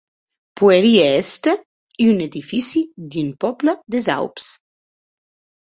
Poirie èster un edifici d'un pòble des Aups.